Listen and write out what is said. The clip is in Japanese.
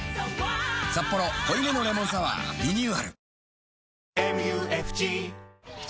「サッポロ濃いめのレモンサワー」リニューアル